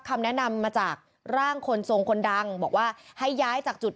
คำแนะนำมาจากร่างคนทรงคนดังบอกว่าให้ย้ายจากจุด